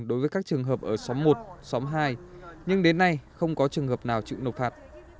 đối với các trường hợp ở xóm một xóm hai nhưng đến nay không có trường hợp nào chịu nộp phạt